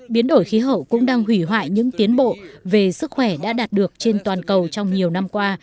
biến đổi khí hậu cũng đang hủy hoại những tiến bộ về sức khỏe đã đạt được trên toàn cầu trong nhiều năm qua